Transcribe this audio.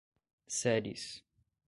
Ceres